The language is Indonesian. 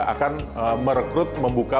akan merekrut membuka